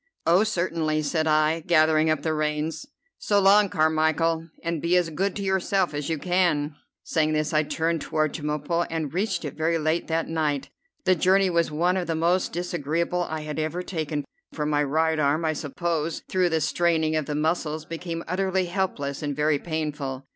"Oh, certainly," said I, gathering up the reins. "So long, Carmichel, and be as good to yourself as you can." Saying this I turned toward Chemulpo, and reached it very late that night. The journey was one of the most disagreeable I had ever taken, for my right arm I suppose through the straining of the muscles became utterly helpless and very painful.